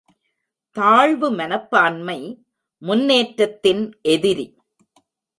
தாழ்வு மனப்பான்மை முன்னேற்றத்தின் எதிரி.